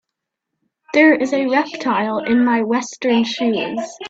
There is a reptile in my western shoes.